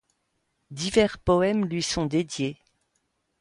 Divers poèmes lui sont dédiés.